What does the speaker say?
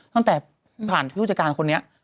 ตั้งแต่ผ่านผู้จัดการคนนี้